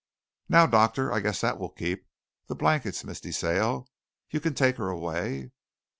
"Now, doctor, I guess that will keep. The blankets, Miss De Sale. You can take her away."